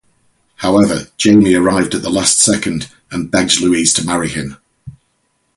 However, Jamie arrived at the last second and begged Louise to marry him.